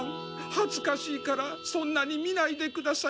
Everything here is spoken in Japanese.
はずかしいからそんなに見ないでください。